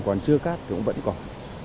còn chưa cát thì vẫn còn